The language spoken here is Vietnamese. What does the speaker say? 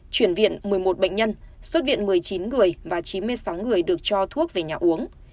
chuyển viện một mươi một bệnh nhân xuất viện một mươi chín người và chín mươi sáu người được cho thuốc về nhà uống